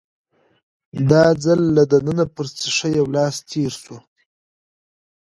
دا ځل له دننه پر ښيښه يو لاس تېر شو.